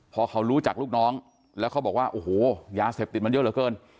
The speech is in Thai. พอเขารู้จักลูกน้องแล้วเขาบอกว่าโอ้โหยาเสพติดมันเยอะเหลือเกิน